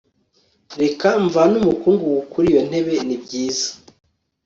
Reka mvane umukungugu kuri iyo ntebe Nibyiza